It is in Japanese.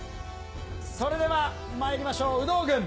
それではまいりましょう、有働軍。